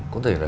có thể là